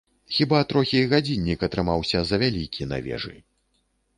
Хіба трохі гадзіннік атрымаўся завялікі на вежы.